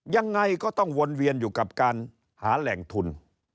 ยังไงก็ต้องวนเวียนอยู่กับการหาแหล่งทุน